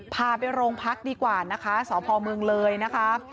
พาไปโรงพักดีกว่านะคะสพเมืองเลยนะคะ